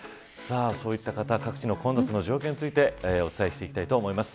各地の混雑の状況についてお伝えしていきたいと思います。